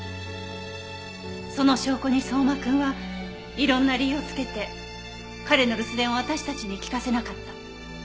その証拠に相馬くんはいろんな理由をつけて彼の留守電を私たちに聴かせなかった。